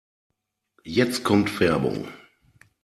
Jetzt kommt Werbung.